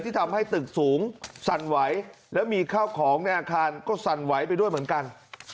ทำให้ตึกสูงสั่นไหวแล้วมีข้าวของในอาคารก็สั่นไหวไปด้วยเหมือนกัน